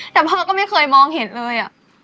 แต่พ่อก็ไม่เคยมองเห็นเลย